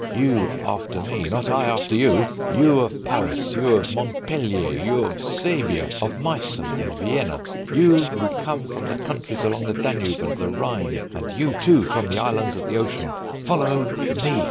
You after me, not I after you. You of Paris, you of Montpellier, you of Swabia, of Meissen and Vienna; you who come from the countries along the Danube and the Rhine; and you, too, from the Islands of the Ocean. Follow me.